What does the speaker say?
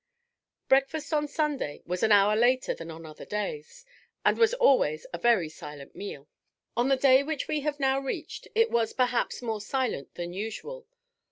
Breakfast on Sunday was an hour later than on other days, and was always a very silent meal. On the day which we have now reached it was perhaps more silent than usual.